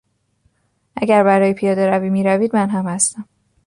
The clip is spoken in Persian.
اگر برای پیادهروی میروید من هم هستم.